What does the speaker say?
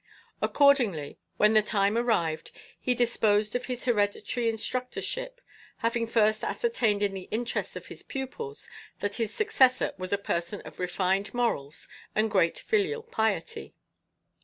Accordingly, when the time arrived, he disposed of his Hereditary Instructorship, having first ascertained in the interests of his pupils that his successor was a person of refined morals and great filial piety.